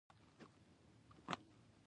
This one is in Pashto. زراعت د افغانانو د فرهنګي پیژندنې برخه ده.